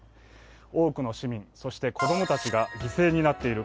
多くの市民、そして子供たちが犠牲になっている